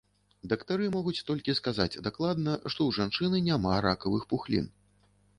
Дактары могуць толькі сказаць дакладна, што ў жанчыны няма ракавых пухлін.